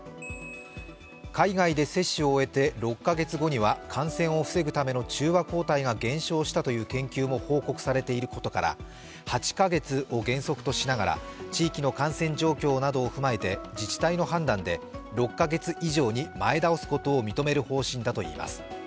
海外で接種を終えて６カ月後には感染を防ぐための中和抗体が減少したとの研究も報告されていることから８カ月を原則としながら地域の感染状況などを踏まえながら自治体の判断で、６カ月以上に前倒すことを認める方針だといいます。